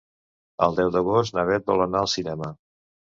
El deu d'agost na Bet vol anar al cinema.